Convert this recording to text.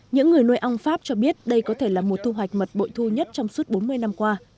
những người nuôi ong pháp cho biết đây có thể là mùa thu hoạch mật bội thu nhất trong suốt bốn mươi năm qua